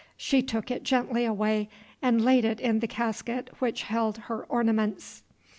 She took it gently away and laid it in the casket which held her ornaments.